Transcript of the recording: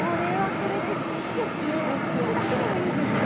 これだけでもいいですね。